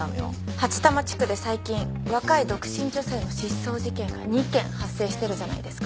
八多摩地区で最近若い独身女性の失踪事件が２件発生してるじゃないですか。